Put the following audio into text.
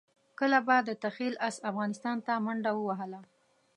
کله به د تخیل اس افغانستان ته منډه ووهله.